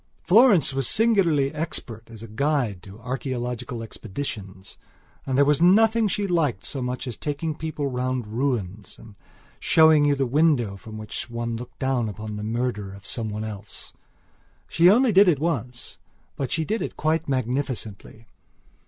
Florence was singularly expert as a guide to archaeological expeditions and there was nothing she liked so much as taking people round ruins and showing you the window from which some one looked down upon the murder of some one else. She only did it once; but she did it quite magnificently.